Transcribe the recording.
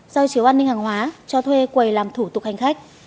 soi chiếu an ninh hàng hóa cho thuê quầy làm thủ tục hành khách